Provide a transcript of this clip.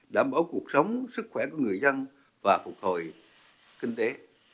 đảm bảo cuộc sống sức khỏe của người dân và phục hồi kinh tế